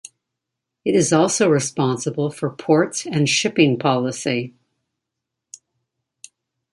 It is also responsible for ports and shipping policy.